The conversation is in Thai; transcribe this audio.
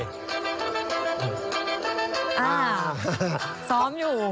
อ่าซ้อมอยู่